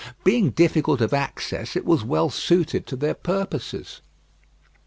Being difficult of access, it was well suited to their purposes.